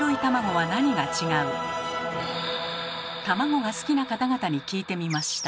卵が好きな方々に聞いてみました。